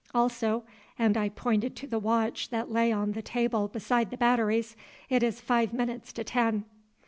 Also," and I pointed to the watch that lay on the table beside the batteries, "it is five minutes to ten."